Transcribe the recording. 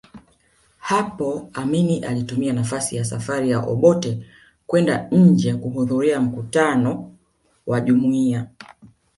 Hapo Amin alitumia nafasi ya safari ya Obote kwenda nje kuhudhuria mkutano wa Jumuiya